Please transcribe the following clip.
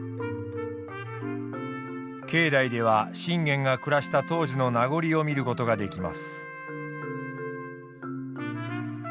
境内では信玄が暮らした当時の名残を見ることができます。